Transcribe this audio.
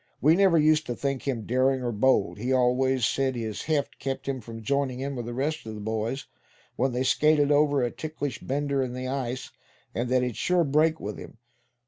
We never used to think him daring or bold. He always said his heft kept him from joining in with the rest of the boys, when they skated over a 'ticklish bender' in the ice; and that it'd sure break with him.